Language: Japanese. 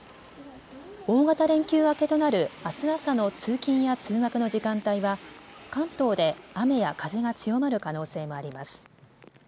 大型連休明けとなるあす朝の通勤や通学の時間帯は関東で雨や風が強まる可能性もあります。